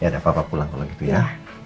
ya ada papa pulang kalo gitu ya